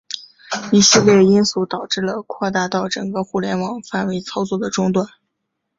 这一系列因素导致了扩大到整个互联网范围操作的中断。